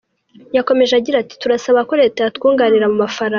Yakomeje agira ati “Turasaba ko Leta yatwunganira mu mafaranga.